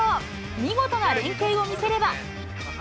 見事な連係を見せれば。